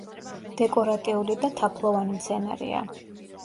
დეკორატიული და თაფლოვანი მცენარეა.